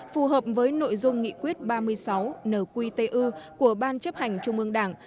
phù hợp với nội dung nghị quyết ba mươi sáu nqtu của ban chấp hành trung ương đảng